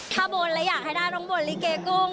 ถ้าบนแล้วอยากให้ได้ต้องบนลิเกกุ้ง